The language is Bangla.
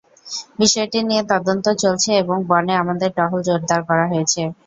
বিষয়টি নিয়ে তদন্ত চলছে এবং বনে আমাদের টহল জোরদার করা হয়েছে।